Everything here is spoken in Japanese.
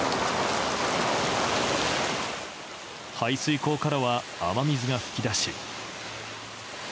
排水溝からは雨水が噴き出し。